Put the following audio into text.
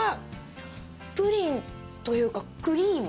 プリンというかクリーム。